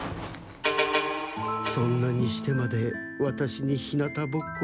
そんなにしてまでワタシに日向ぼっこを。